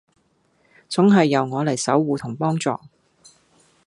總係由我嚟守護同幫助